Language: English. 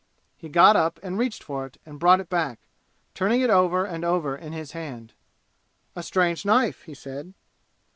He got up and reached for it and brought it back, turning it over and over in his hand. "A strange knife," he said.